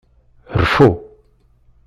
Rfu.